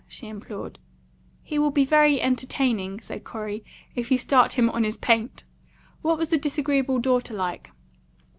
she implored. "He will be very entertaining," said Corey, "if you start him on his paint. What was the disagreeable daughter like?